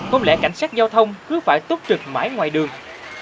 có lẽ cảnh sát giao thông cứ phải tốt trực mãi ngoài đường